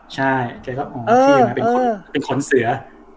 ใช่เป็นขนเสือ